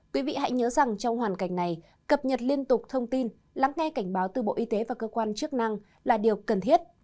quý vị hãy nhớ rằng trong hoàn cảnh này cập nhật liên tục thông tin lắng nghe cảnh báo từ bộ y tế và cơ quan chức năng là điều cần thiết